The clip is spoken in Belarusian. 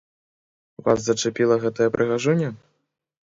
Вас зачапіла гэтая прыгажуня?